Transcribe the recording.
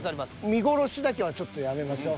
見殺しだけはちょっとやめましょう。